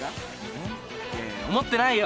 えっいやいや思ってないよ。